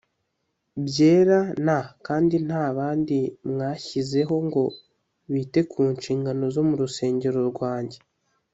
byera n kandi nta bandi mwashyizeho ngo bite ku nshingano zo mu rusengero rwanjye